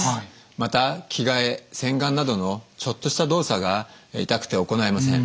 また着替え洗顔などのちょっとした動作が痛くて行えません。